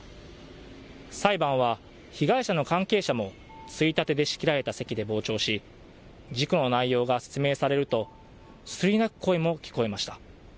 裁判は被害者の関係者もついたてで仕切られた席で傍聴し事故の内容が説明されるとすすり泣く声も聞こえました。